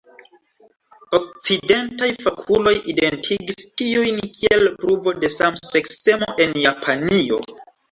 Okcidentaj fakuloj identigis tiujn kiel pruvo de samseksemo en Japanio.